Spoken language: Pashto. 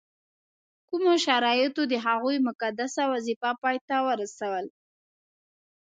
کومو شرایطو د هغوی مقدسه وظیفه پای ته ورسول.